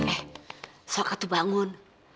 eh sokatu bangun